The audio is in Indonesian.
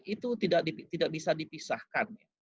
itu tidak bisa dipisahkan